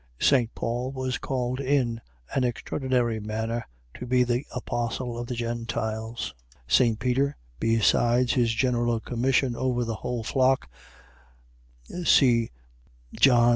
St. Paul was called in an extraordinary manner to be the apostle of the Gentiles; St. Peter, besides his general commission over the whole flock, (John 21.